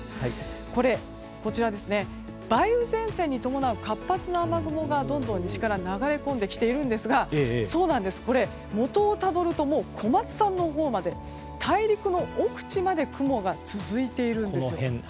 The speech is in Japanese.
こちら、梅雨前線に伴う活発な雨雲がどんどん西から流れ込んできていますがこれ、元をたどると小松さんのほうまで大陸の奥地まで雲が続いているんです。